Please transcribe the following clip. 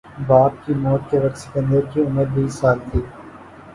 باپ کی موت کے وقت سکندر کی عمر بیس سال تھی